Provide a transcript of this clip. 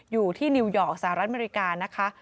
อยู่ที่นิวยอร์กสหรัฐอเมริกานะคะ